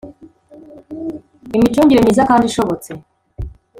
imicungire myiza kandi ishobotse